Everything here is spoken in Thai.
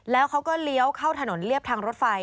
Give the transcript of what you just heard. แล้วเขาก็เลี้ยวเข้าถนนเรียบทางรถไฟ